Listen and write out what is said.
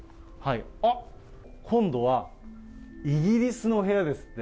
あっ、今度は、イギリスの部屋ですって。